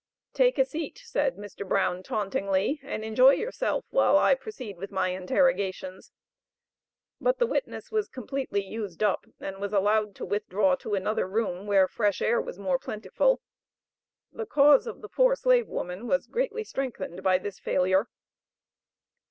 "Take a seat," said Mr. Brown tauntingly, "and enjoy yourself, while I proceed with my interrogations." But the witness was completely used up, and was allowed to withdraw to another room, where fresh air was more plentiful. The cause of the poor slave woman was greatly strengthened by this failure.